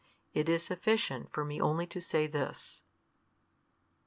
It is sufficient for me only to say this.